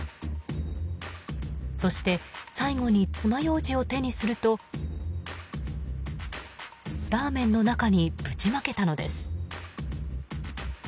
そして、最後につまようじを手にするとラーメンの中にぶちまけたのです。